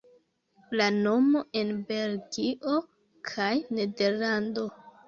La nomo en Belgio kaj Nederlando.